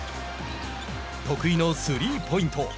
得意のスリーポイント。